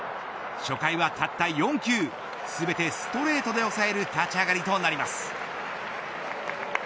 初回はたった４球全てストレートで抑える立ち上がりとなります。